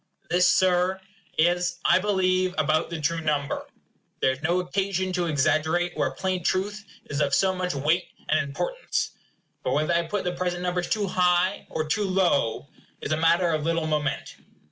This, Sir, is, I believe, about the true number. There is no occasion to exaggerate where plain truth is of so much weight and importance. But whether I put the present numbers too high or too low is a matter of little moment.